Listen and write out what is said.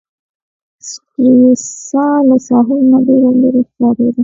سټریسا له ساحل نه ډېره لیري ښکاریدل.